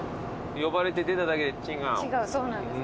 呼ばれて出ただけで「違う」そうなんです。